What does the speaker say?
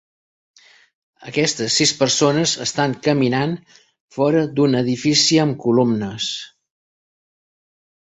Aquestes sis persones estan caminant fora d'un edifici amb columnes.